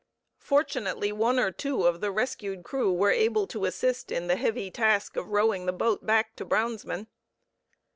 Fortunately, one or two of the rescued crew were able to assist in the heavy task of rowing the boat back to Brownsman.